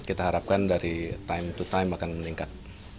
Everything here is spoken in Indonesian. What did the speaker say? kita harapkan dari time to time akan meningkat